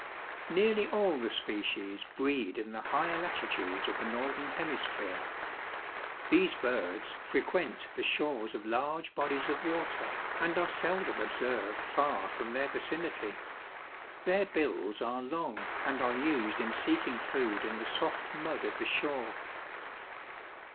Nearly all the species breed in the higher latitudes of the northern hemisphere. These birds frequent the shores of large bodies of water and are seldom observed far from their vicinity. Their bills are long and are used in seeking food in the soft mud of the shore.